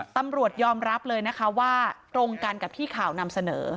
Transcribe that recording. ตำรวจยอมรับเลยนะคะว่าตรงกันกับที่ข่าวนำเสนอ